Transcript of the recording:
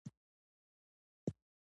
افغانان تر غزني او هیلمند پورې آباد دي.